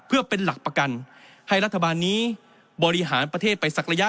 เพื่อเป็นหลักประกันให้รัฐบาลนี้บริหารประเทศไปสักระยะ